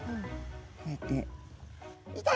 こうやって。